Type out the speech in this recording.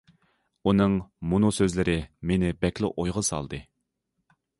ئۇنىڭ مۇنۇ سۆزلىرى مېنى بەكلا ئويغا سالدى.